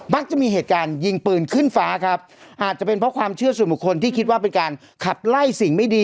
จะมีเหตุการณ์ยิงปืนขึ้นฟ้าครับอาจจะเป็นเพราะความเชื่อส่วนบุคคลที่คิดว่าเป็นการขับไล่สิ่งไม่ดี